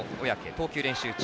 投球練習中。